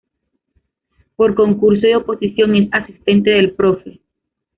Por concurso y oposición es asistente del Prof.